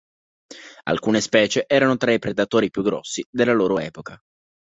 Alcune specie erano tra i predatori più grossi della loro epoca.